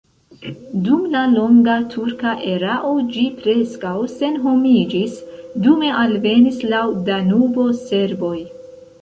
Dum la longa turka erao ĝi preskaŭ senhomiĝis, dume alvenis laŭ Danubo serboj.